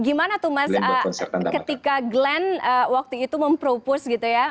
gimana tuh mas ketika glenn waktu itu mempropos gitu ya